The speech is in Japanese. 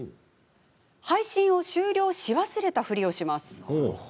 配信を終了し忘れたふりをします。